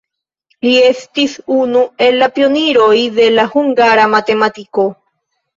Li estis unu el la pioniroj de la hungara matematiko.